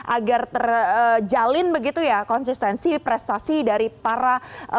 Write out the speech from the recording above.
agar terjalin begitu ya konsistensi prestasi dari para